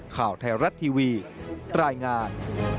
ข่าวไทยรัฐทีวีรายงาน